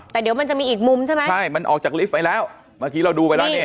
แต่เดี๋ยวมันจะมีอีกมุมใช่ไหมใช่มันออกจากลิฟต์ไปแล้วเมื่อกี้เราดูไปแล้วเนี่ย